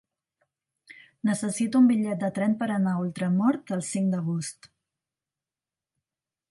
Necessito un bitllet de tren per anar a Ultramort el cinc d'agost.